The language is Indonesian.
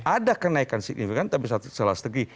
ada kenaikan signifikan tapi salah strategi